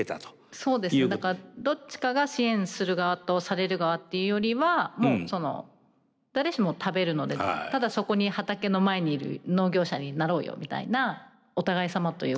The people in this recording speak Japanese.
そうですねだからどっちかが支援する側とされる側っていうよりはもう誰しも食べるのでただそこに畑の前にいる農業者になろうよみたいなお互いさまというか。